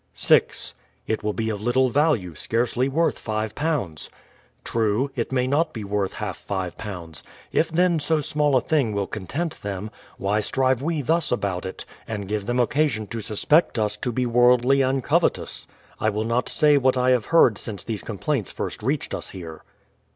6. It will be of little value, scarcely worth £5 :— True; it may not be worth half £5. If then so small a thing will content them, whj'^ strive we thus about it, and give them, occasion to suspect us to be worldly and covetous? I will not say what I have heard since these complaints first reached us here.